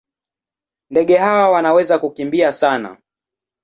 Ndege hawa wanaweza kukimbia sana.